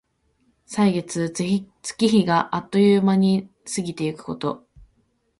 歳月、月日があっという間に過ぎてゆくこと。